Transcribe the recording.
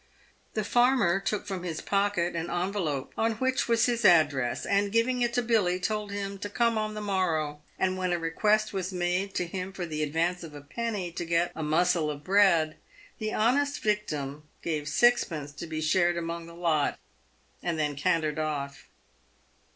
The farmer took from his pocket an envelope, on which was his address, and giving it to Billy, told him to come on the morrow ; and when the request was made to him for the advance of a penny to get a " mossel" of bread, the honest victim gave sixpence to be shared among the lot, and then cantered off.